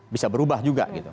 bisa berubah juga gitu